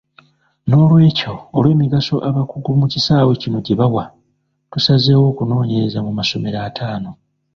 N'olwekyo olw'emigaso abakugu mu kisaawe kino gyebawa, tusazeewo okunoonyereza mu masomero ataano.